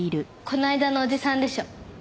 この間のおじさんでしょ。